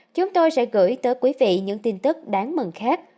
chúng tôi sẽ gửi tới quý vị những tin tức đáng mừng khác